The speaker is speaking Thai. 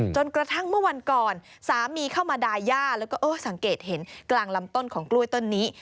จนกระทั่งเมื่อวันก่อนสามีเข้ามาดายย่าแล้วก็เออสังเกตเห็นกลางลำต้นของกล้วยต้นนี้